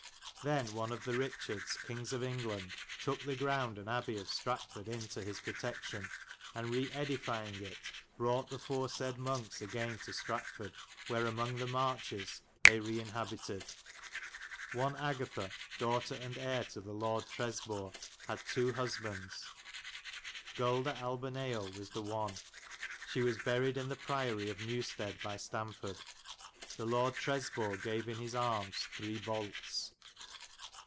Then one of the Richards, Kings of England, toke the ground and abbay of Strateforde in to his protection, and reedifienge it browght the foresayde monks agayne to Stratford, where amonge the marches they reinhabytyd. One Agatha, dowghtar and heire to the Lorde Tresbur, had 2. husbonds. Gul. de Albeneio was the one. She was buried in the priory of Newstede by Stamford. The Lord Tresbor gave in his armes 3. bolts.